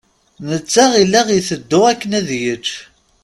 Netta ila iteddu akken ad yečč.